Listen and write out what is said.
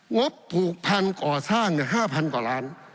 บผูกพันธุ์ก่อสร้าง๕๐๐กว่าล้าน